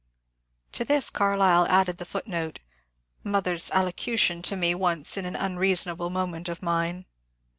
To this Carlyle added the footnote :^^ Mother's allocution to me once in an unreason able moment of mine."